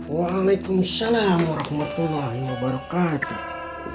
waalaikumsalam warahmatullahi wabarakatuh